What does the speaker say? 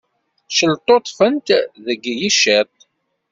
Celṭuṭṭfent deg yiciṭ.